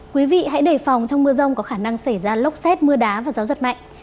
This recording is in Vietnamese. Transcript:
quý vị hãy đề phòng trong mưa rông có khả năng xảy ra lốc xét mưa đá và gió giật mạnh